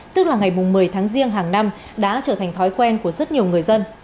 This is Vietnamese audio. tức là ngày một mươi tháng riêng hàng năm đã trở thành thói quen của rất nhiều người dân